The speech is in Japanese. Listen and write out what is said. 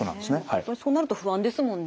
やっぱりそうなると不安ですもんね。